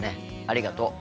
ありがとう。